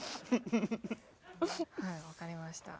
はいわかりました。